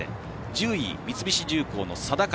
１０位、三菱重工の定方。